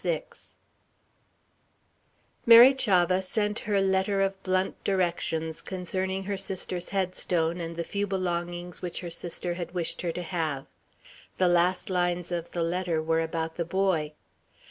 VI Mary Chavah sent her letter of blunt directions concerning her sister's headstone and the few belongings which her sister had wished her to have. The last lines of the letter were about the boy.